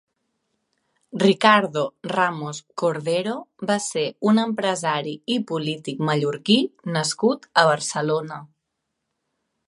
Ricardo Ramos Cordero va ser un empresari i polític mallorquí nascut a Barcelona.